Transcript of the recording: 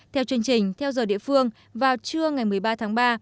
theo chương trình theo giờ địa phương vào trưa ngày một mươi ba tháng ba